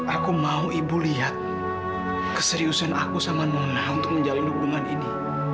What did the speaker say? aku mau ibu lihat keseriusan aku sama nona untuk menjalin hubungan ini